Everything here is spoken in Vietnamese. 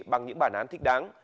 bằng những bản án thích đáng